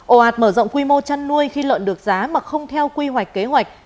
ổ hạt mở rộng quy mô săn nuôi khi lợn được giá mà không theo quy hoạch kế hoạch